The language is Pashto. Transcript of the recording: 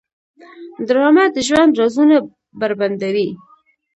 ډرامه د ژوند رازونه بربنډوي